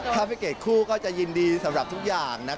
ถ้าพี่เกดคู่ก็จะยินดีสำหรับทุกอย่าง